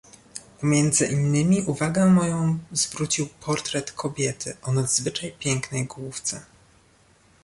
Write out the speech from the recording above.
"Pomiędzy innymi uwagę moją zwrócił portret kobiety o nadzwyczaj pięknej główce."